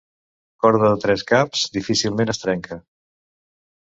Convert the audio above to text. Corda de tres caps difícilment es trenca.